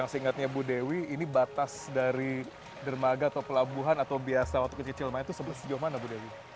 yang seingatnya ibu dewi ini batas dari dermaga atau pelabuhan atau biasa waktu kecil kecil main itu sejauh mana ibu dewi